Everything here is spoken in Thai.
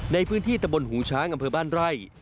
ในพื้นที่ตะบนหูช้างอำเภอบ้านไร่